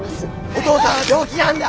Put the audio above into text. お父さんは病気なんだ！